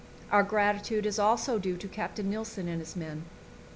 Our gratitude is also due to Captain Nilsen and his men.